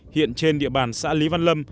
hiện trên địa bàn xã lý văn lâm